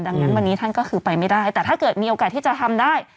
ดังนั้นวันนี้ท่านก็คือไปไม่ได้แต่ถ้าเกิดมีโอกาสที่จะทำได้